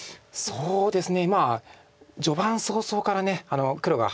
そうですね。